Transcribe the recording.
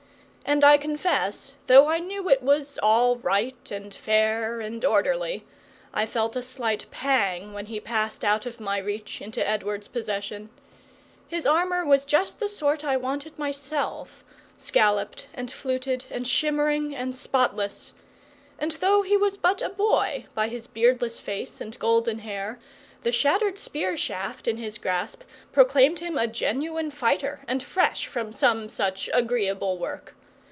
And I confess, though I knew it was all right and fair and orderly, I felt a slight pang when he passed out of my reach into Edward's possession. His armour was just the sort I wanted myself scalloped and fluted and shimmering and spotless; and, though he was but a boy by his beardless face and golden hair, the shattered spear shaft in his grasp proclaimed him a genuine fighter and fresh from some such agreeable work.